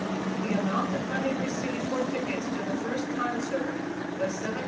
The amount of money received for tickets to the first concert was $17,864.